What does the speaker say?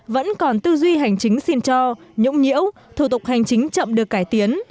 vẫn còn tư duy hành chính xin cho nhũng nhiễu thủ tục hành chính chậm được cải tiến